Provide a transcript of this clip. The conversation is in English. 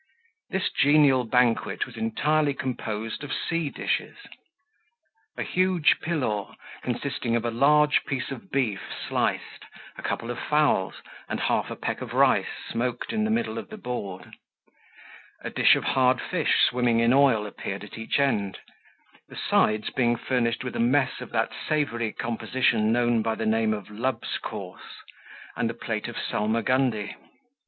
This genial banquet was entirely composed of sea dishes; a huge pillaw, consisting of a large piece of beef sliced, a couple of fowls, and half a peck of rice, smoked in the middle of the board: a dish of hard fish, swimming in oil, appeared at each end; the sides being furnished with a mess of that savoury composition known by the name of lub's course, and a plate of salmagundy.